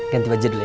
ganti baju dulu ya